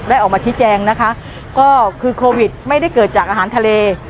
ออกมาชี้แจงนะคะก็คือโควิดไม่ได้เกิดจากอาหารทะเล